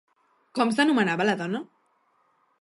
Com s'anomenava la dona?